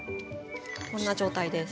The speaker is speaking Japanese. こんな状態です。